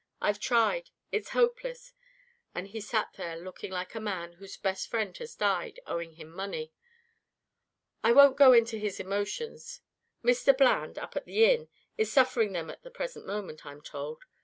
I've tried. It's hopeless.' And he sat there looking like a man whose best friend has died, owing him money. I won't go into his emotions. Mr. Bland, up at the inn, is suffering them at the present moment, I'm told.